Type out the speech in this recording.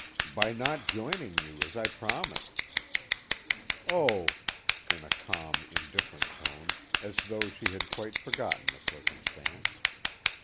"By not joining you as I promised." "Oh!" in a calm, indifferent tone, as though she had quite forgotten the circumstance.